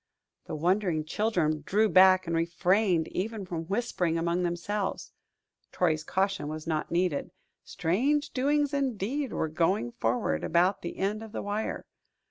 The wondering children drew back and refrained even from whispering among themselves Troy's caution was not needed. Strange doings, indeed, were going forward about the end of the wire.